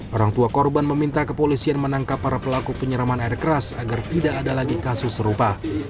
orang tua korban meminta kepolisian menangkap para pelaku penyeraman air keras agar tidak ada lagi kasus serupa